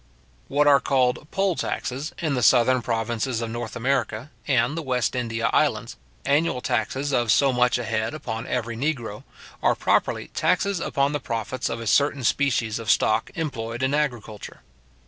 What are called poll taxes in the southern provinces of North America, and the West India islands, annual taxes of so much a head upon every negro, are properly taxes upon the profits of a certain species of stock employed in agriculture.